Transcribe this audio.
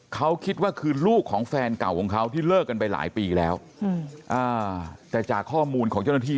เขาคิดว่าคือลูกของแฟนเก่าของเขาที่เลิกกันไปหลายปีแล้วแต่จากข้อมูลของเจ้าหน้าที่